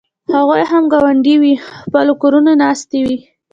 هغوی هم کونډې وې او په خپلو کورونو ناستې وې.